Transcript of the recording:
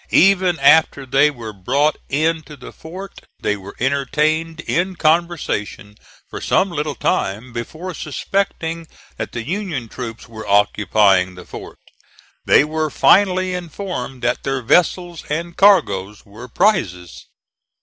Even after they were brought in to the fort they were entertained in conversation for some little time before suspecting that the Union troops were occupying the fort. They were finally informed that their vessels and cargoes were prizes.